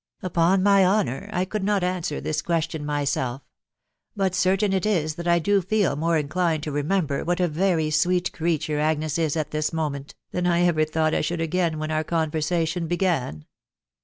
.... Upon my honour I could not answer this question myself; .... tat certain it is that I do feel more inclined to remember what a very sweet jcreatave Agnes is at mis moment, than I ever thought I should again when our conversation began.